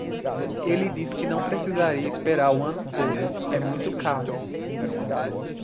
Ele diz que não precisaria esperar o ano todo, é muito caro.